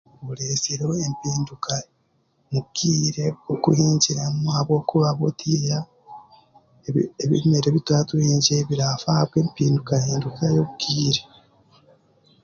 Bureesireho empinduka omu kaire k'okuhingiramu ahabwokuba butiiya ebi ebimera ebituraatuhingire birafa aha bw'empinduka y'obwire